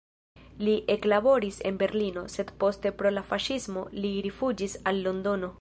Li eklaboris en Berlino, sed poste pro la faŝismo li rifuĝis al Londono.